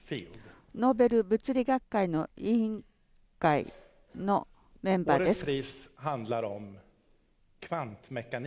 ノーベル物理学会の委員会のメンバーです。